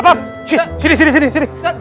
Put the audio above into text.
pak sapam sini sini sini